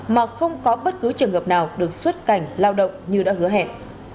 mà không có bất cứ trường hợp nào được xuất cảnh lao động như đã hứa hẹn